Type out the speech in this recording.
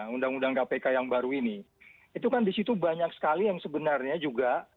undang undang kpk yang baru ini itu kan disitu banyak sekali yang sebenarnya juga